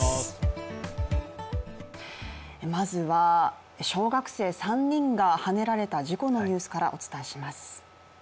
まずは小学生３人がはねられた事故のニュースからお伝えします。